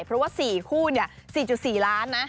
เพราะว่า๔คู่๔๔ล้านนะ